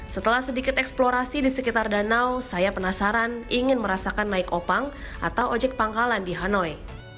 setelah sedikit eksplorasi di sekitar danau saya penasaran ingin merasakan naik opang atau ojek pangkalan di hanoi